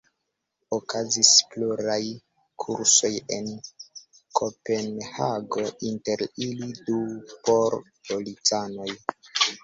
Okazis pluraj kursoj en Kopenhago, inter ili du por policanoj.